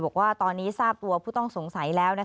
บอกว่าตอนนี้ทราบตัวผู้ต้องสงสัยแล้ว